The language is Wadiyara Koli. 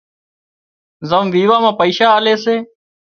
زم ويوان مان پئيشا آلي سي